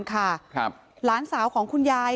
หลานสาวของคุณยาย